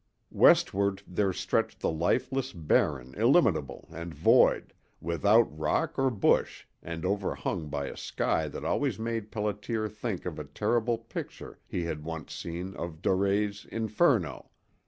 Westward there stretched the lifeless Barren illimitable and void, without rock or bush and overhung by a sky that always made Pelliter think of a terrible picture he had once seen of Doré's "Inferno."